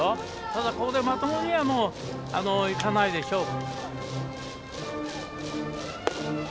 ただここで、まともにはいかないでしょう。